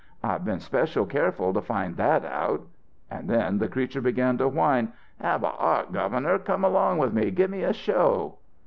I've been special careful to find that out.' And then the creature began to whine. 'Have a heart, Governor, come along with me. Gimme a show!'